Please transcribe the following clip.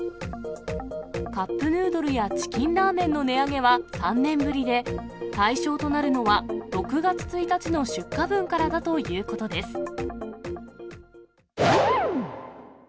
カップヌードルやチキンラーメンの値上げは３年ぶりで、対象となるのは６月１日の出荷分からだということです。